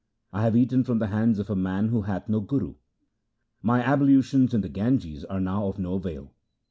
I have eaten from the hands of a man who hath no guru. My ablutions in the Ganges are now of no avail.